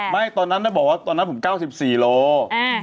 ตอนนั้นบอกว่าตอนนั้นผม๙๔โล